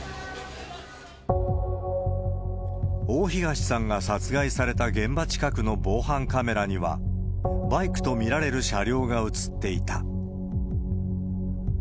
大東さんが殺害された現場近くの防犯カメラには、バイクと見られる車両が映っていた。